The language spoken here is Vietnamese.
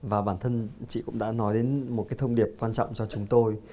và bản thân chị cũng đã nói đến một cái thông điệp quan trọng cho chúng tôi